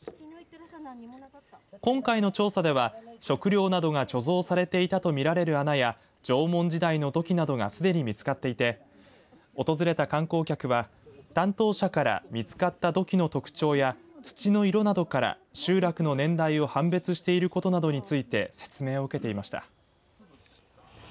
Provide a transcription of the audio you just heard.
今回の調査では食料などが貯蔵されていたと見られる穴や縄文時代の土器などがすでに見つかっていて訪れた観光客は担当者から見つかった土器の特徴や土の色などから集落の年代を判別していることなどについて説明を受けていました。